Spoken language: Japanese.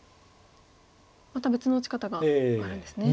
また別の打ち方があるんですね。